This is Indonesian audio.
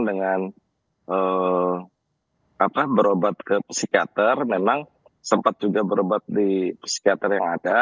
dengan berobat ke psikiater memang sempat juga berobat di psikiater yang ada